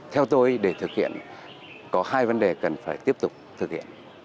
theo tôi để thực hiện có hai vấn đề cần phải tiếp tục thực hiện